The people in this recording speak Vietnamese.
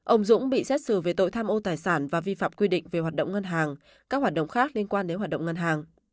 ông dũng bị xét xử về tội tham ô tài sản và vi phạm quy định về hoạt động ngân hàng các hoạt động khác liên quan đến hoạt động ngân hàng